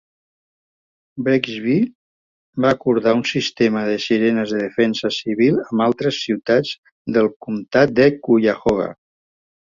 Brecksville va acordar un sistema de sirenes de defensa civil amb altres ciutats del comtat de Cuyahoga.